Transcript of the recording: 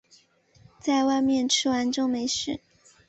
在外面吃完就没事